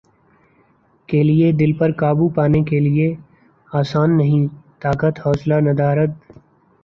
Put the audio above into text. کے لیے دل پر قابو پانے کیلئے آسان نہیں طاقت حوصلہ ندارد